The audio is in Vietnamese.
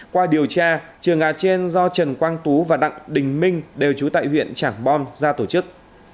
qua điều tra trường gà trên do trần quang tú và đặng đình minh đều trú tại huyện trảng bom ra tổ chức